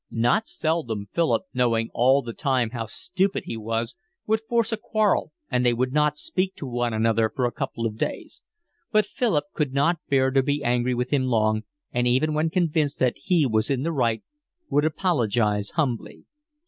Not seldom Philip, knowing all the time how stupid he was, would force a quarrel, and they would not speak to one another for a couple of days. But Philip could not bear to be angry with him long, and even when convinced that he was in the right, would apologise humbly.